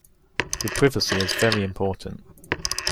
Your privacy is very important.